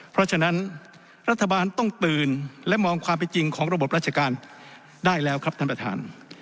เพราะฉะนั้นรัฐบาลต้องตื่นและมองความเป็นจริงของระบบราชการได้แล้วครับท่านประธาน